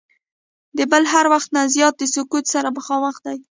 د بل هر وخت نه زیات د سقوط سره مخامخ دی.